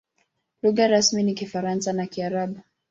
Lugha rasmi ni Kifaransa na Kiarabu.